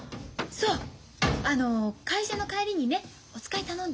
そうあの会社の帰りにねお使い頼んだの。